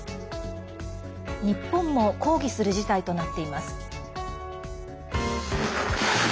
日本も抗議する事態となっています。